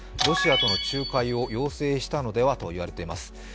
ロシアとの仲介を要請したのではといわれています。